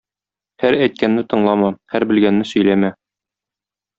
Һәр әйткәнне тыңлама, һәр белгәнне сөйләмә.